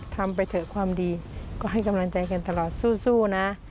ทำไปเถอะความดีก็ให้กำลังใจกันตลอดสู้นะ